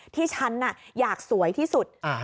ที่ฉันอยากสวยที่สุด